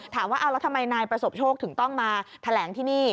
ถามว่าเอาแล้วทำไมนายประสบโชคถึงต้องมาแถลงที่นี่